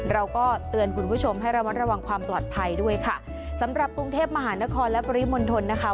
เราก็เตือนคุณผู้ชมให้ระมัดระวังความปลอดภัยด้วยค่ะสำหรับกรุงเทพมหานครและปริมณฑลนะคะ